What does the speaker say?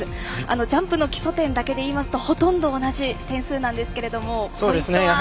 ジャンプの基礎点だけでいいますとほとんど同じ点数なんですけどポイントは。